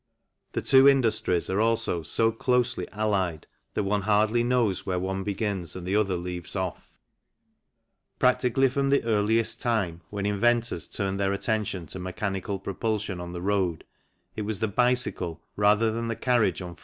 The two industries are also so closely allied that one hardly knows where one begins and the other leaves off. Practically from the earliest time, when inventors turned their attention to mechanical propulsion on the road, it was the bicycle rather than the carriage on four FIG.